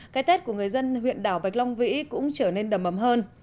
cái tết của người dân huyện đảo bạch long vĩ cũng trở nên đầm ấm hơn